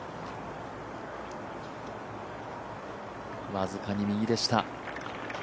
僅かに右でした。